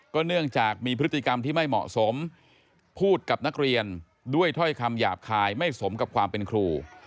เนื่องจากมีพฤติกรรมที่ไม่เหมาะสมพูดกับนักเรียนด้วยถ้อยคำหยาบคายไม่สมกับความเป็นครู